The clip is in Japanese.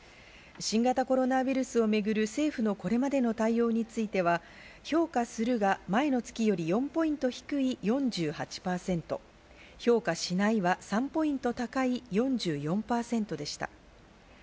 新型コロナウイルスをめぐる政府のこれまでの対応については、評価するが前の月より４ポイント低い４８％。評価しないは３ポイント高い４４％でした。